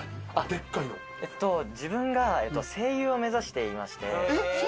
でっかい自分が声優を目指していまして。